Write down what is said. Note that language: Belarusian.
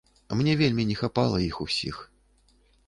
Мне вельмі не хапала іх усіх.